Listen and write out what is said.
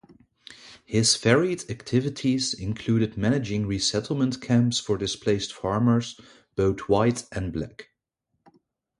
His varied activities included managing resettlement camps for displaced farmers, both white and black.